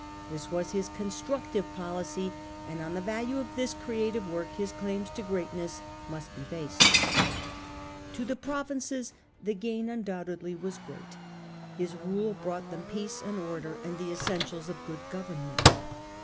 This was his the*new'^°^ constructive policy, and on the value of this rc£:ime. Creative work his claims to greatness must be based. To the provinces the gain undoubtedly was great. His rule brought them peace and order and the essentials of good government.